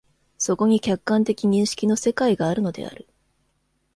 そこに客観的認識の世界があるのである。